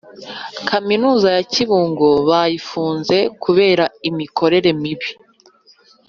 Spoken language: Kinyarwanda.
Kaminuza yakibungo bayifunze kubera imikorere mibi